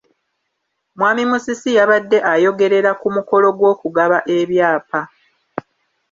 Mwami Musisi yabadde ayogerera ku mukolo gw’okugaba ebyapa.